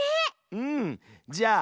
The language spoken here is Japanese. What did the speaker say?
うんじゃあ